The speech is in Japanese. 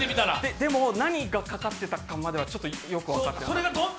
でも、何がかかってたかまではよく分かってなかった。